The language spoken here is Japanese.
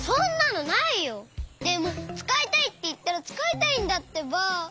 でもつかいたいっていったらつかいたいんだってば！